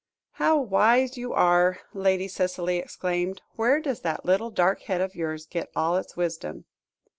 "How wise you are," Lady Cicely exclaimed; "where does that little dark head of yours get all its wisdom?"